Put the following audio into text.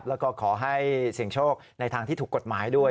แล้วก็ขอให้เสี่ยงโชคในทางที่ถูกกฎหมายด้วย